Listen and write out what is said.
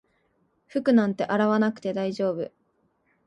服なんて洗わなくて大丈夫